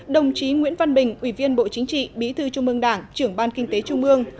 đồng chí nguyễn văn bình ủy viên bộ chính trị bí thư trung ương đảng trưởng ban kinh tế trung ương